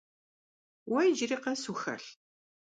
Vue yicıri khes vuxelh?